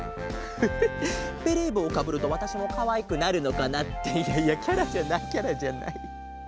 フフベレーぼうをかぶるとわたしもかわいくなるのかな。っていやいやキャラじゃないキャラじゃない。